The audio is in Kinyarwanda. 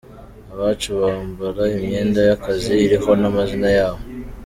Abacu bambara imyenda y’akazi iriho n’amazina yabo.